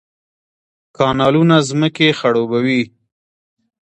کانالونه ځمکې خړوبوي